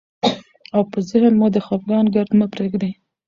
او په ذهن مو د خفګان ګرد مه پرېږدئ،